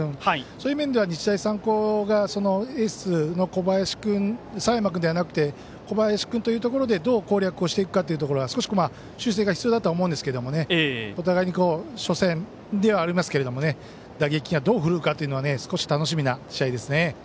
そういう面では、日大三高がエースの佐山君ではなくて小林君だということでどう攻略をしていくか修正が必要だと思いますがお互いに初戦ではありますけども打撃がどう奮うかというのが少し楽しみな試合ですね。